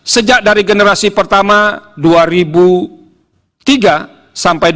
sejak dari generasi pertama dua ribu tiga sampai dua ribu dua